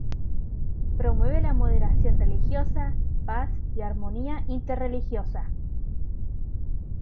Promueve la moderación religiosa, paz y armonía inter-religiosa.